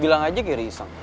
bilang aja geri isang